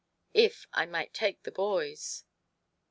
" If I might take the boys."